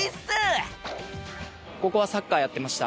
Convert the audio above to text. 高校はサッカーやってました。